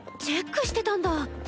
チェックしてたんだ。